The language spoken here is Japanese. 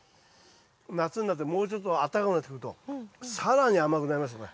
夏になってもうちょっとあったかくなってくると更に甘くなりますこれ。